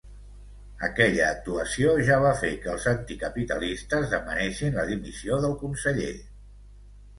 Aquella actuació ja va fer que els anticapitalistes demanessin la dimissió del conseller.